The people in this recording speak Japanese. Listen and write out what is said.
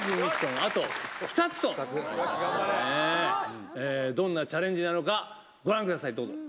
あと２つということで、どんなチャレンジなのか、ご覧ください、どうぞ。